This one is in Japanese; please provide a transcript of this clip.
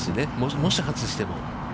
もし外しても。